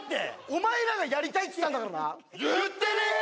お前らがやりたいって言ったんだからな言ってねーよ！